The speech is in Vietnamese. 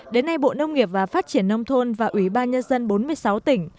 đến nay bộ nông nghiệp và phát triển nông thôn và ủy ban nhân dân bốn mươi sáu tỉnh